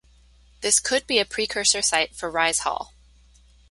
This could be a precursor site for Rise Hall.